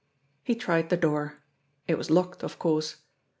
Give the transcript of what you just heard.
He tried the door. It was locked, of course.